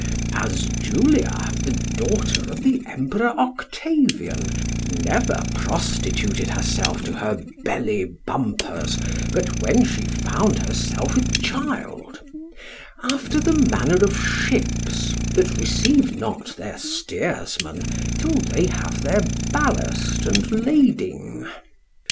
As Julia, the daughter of the Emperor Octavian, never prostituted herself to her belly bumpers, but when she found herself with child, after the manner of ships, that receive not their steersman till they have their ballast and lading.